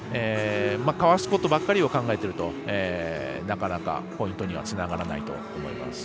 かわすことばかりを考えているとなかなかポイントにはつながらないと思います。